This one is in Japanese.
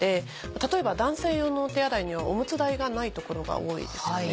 例えば男性用のお手洗いにはオムツ台がない所が多いですよね。